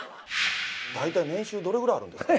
大体年収どれぐらいあるんですか。